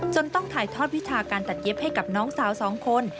ต้องถ่ายทอดวิชาการตัดเย็บให้กับน้องสาว๒คน